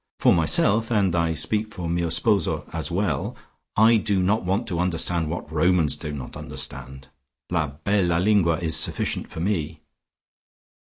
For myself, and I speak for mio sposo as well, I do not want to understand what Romans do not understand. La bella lingua is sufficient for me."